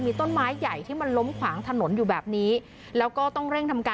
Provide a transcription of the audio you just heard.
มีประชาชนในพื้นที่เขาถ่ายคลิปเอาไว้ได้ค่ะ